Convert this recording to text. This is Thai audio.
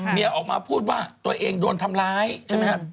เมียออกมาพูดว่าตัวเองโดนทำร้ายใช่ไหมครับ